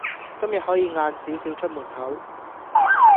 今日可以晏少少出門口